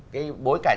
cái bối cảnh